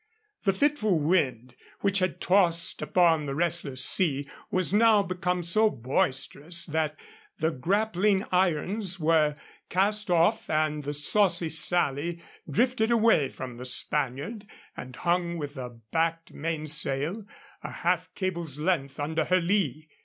The fitful wind, which had tossed up a restless sea, was now become so boisterous that the grappling irons were cast off and the Saucy Sally drifted away from the Spaniard and hung with a backed mainsail a half cable's length under her lee.